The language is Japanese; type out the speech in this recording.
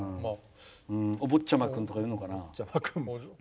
お坊ちゃま君とか言うのかな。